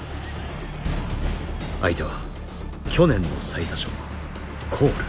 相手は去年の最多勝コール。